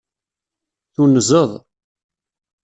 Tunzeḍ.